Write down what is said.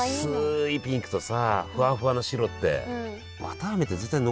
薄いピンクとさフワフワの白って。